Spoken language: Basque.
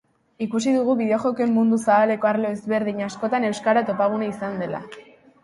Ikusi dugu bideojokoen mundu zabaleko arlo ezberdin askotan euskara topagunea izan dela